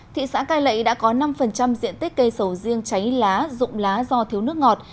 thị xã cai lệ đã có năm diện tích cây sầu riêng cháy lá dụng lá do thiếu nước ngọt